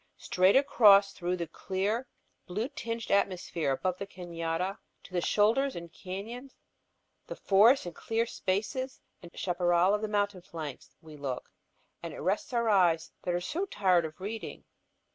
Straight across through the clear blue tinged atmosphere above the cañada to the shoulders and cañons, the forests and clear spaces and chaparral of the mountain flanks, we look. And it rests our eyes that are so tired of reading.